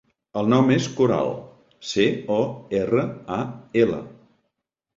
El nom és Coral: ce, o, erra, a, ela.